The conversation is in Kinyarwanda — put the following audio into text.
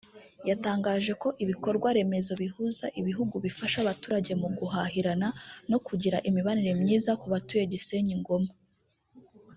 yatangaje ko ibikorwa remezo bihuza ibihugu bifasha abaturage mu guhahirana no kugira imibanire myiza kubatuye Gisenyi-Goma